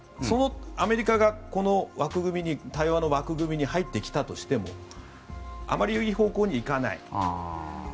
そのアメリカがこの対話の枠組みに入ってきたとしてもあまりいい方向に行かない。